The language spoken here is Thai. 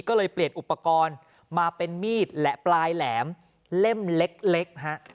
ก็เลยเปลี่ยนอุปกรณ์มาเป็นมีดและปลายแหลมเล่มเล็กฮะ